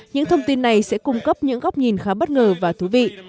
những thông tin này sẽ cung cấp những góc nhìn khá bất ngờ và thú vị